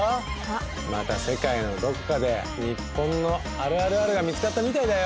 また世界のどこかでニッポンのあるあるＲが見つかったみたいだよ！